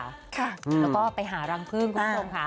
แล้วก็ไปหารังพึ่งคุณผู้ชมค่ะ